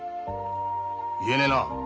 言えねえな。